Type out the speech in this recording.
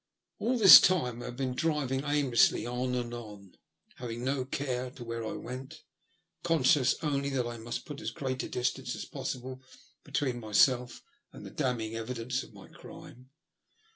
All this time I had been driving aimlessly on and on, having no care where I went, conscious only that I must put as great a distance as possible between myself and the damning evidence of my crime.